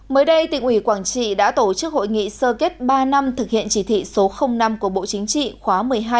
mới đây tỉnh ủy quảng trị đã tổ chức hội nghị sơ kết ba năm thực hiện chỉ thị số năm của bộ chính trị khóa một mươi hai